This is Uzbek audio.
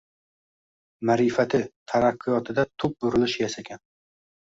Maʼrifati, taraqqiyotida tub burilish yasagan